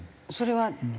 それは。